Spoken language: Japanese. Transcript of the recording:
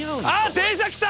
電車来た！